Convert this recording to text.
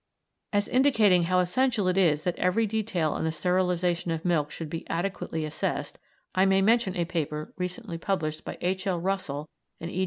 As indicating how essential it is that every detail in the sterilisation of milk should be adequately assessed, I may mention a paper recently published by H. L. Russell and E.